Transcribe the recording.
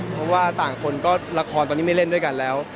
เพราะว่าต่างคนก็ละครตอนนี้ไม่เล่นด้วยกันแล้ว